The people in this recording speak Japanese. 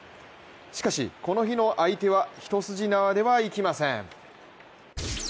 しかしこの日の相手は一筋縄ではいきません。